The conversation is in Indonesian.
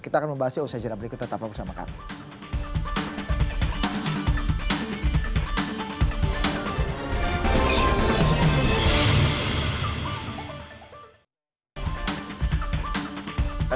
kita akan membahasnya usai sejenak berikutnya tetap bersama kami